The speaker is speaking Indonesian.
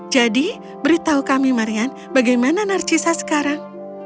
jadi beritahu kami marian bagaimana narcissa sekarang